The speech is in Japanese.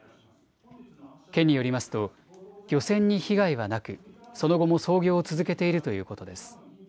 県によりますと漁船に被害はなく、その後も操業を続けているということです。